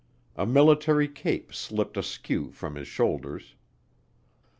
A military cape slipped askew from his shoulders.